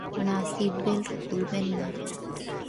না, seat belt খুলবে না।